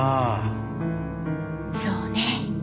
そうね。